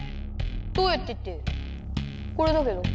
「どうやって」ってこれだけど。